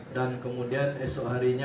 dan kemudian esok harinya